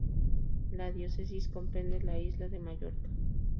La diócesis comprende la isla de Mallorca.